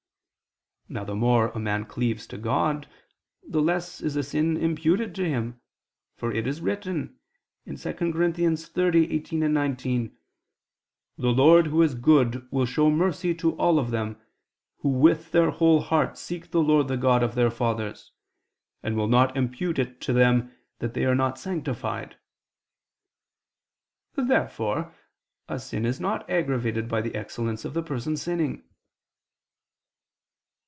Now the more a man cleaves to God, the less is a sin imputed to him: for it is written (2 Paral. 30: 18, 19): "The Lord Who is good will show mercy to all them, who with their whole heart seek the Lord the God of their fathers; and will not impute it to them that they are not sanctified." Therefore a sin is not aggravated by the excellence of the person sinning.